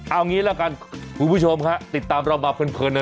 เอางี้แล้วกันคุณผู้ชมครับติดตามเรามาเพลินแล้วเนอะ